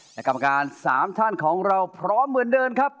และกรรมการ๓ท่านของเราพร้อมเหมือนเดิมครับ